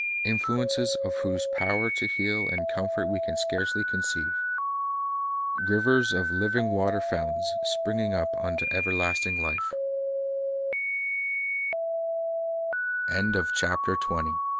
— influences of whose power to heal and comfort we can scarcely conceive, — rivers of living water fountains "springing up unto everlasting li